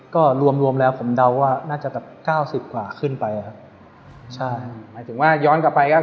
ก็รวมรวมแล้วผมเดาว่าน่าจะแบบเก้าสิบกว่าขึ้นไปครับใช่หมายถึงว่าย้อนกลับไปก็